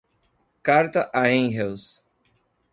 Carta a Engels